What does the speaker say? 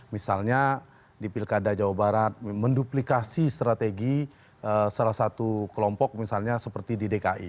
misalnya di pilkada jawa barat menduplikasi strategi salah satu kelompok misalnya seperti di dki